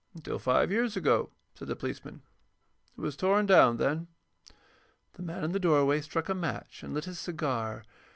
"Until five years ago," said the policeman. "It was torn down then." The man in the doorway struck a match and lit his cigar.